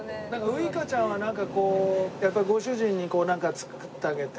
ウイカちゃんはなんかこうやっぱりご主人にこうなんか作ってあげて？